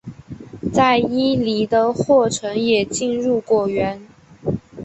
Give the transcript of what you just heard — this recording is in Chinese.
在伊犁的霍城也进入果园。